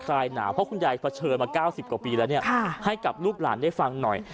ลายหนาวเพราะคุณยายเผชิญมา๙๐กว่าปีแล้วเนี่ยให้กับลูกหลานได้ฟังหน่อย